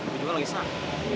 gue juga lagi sang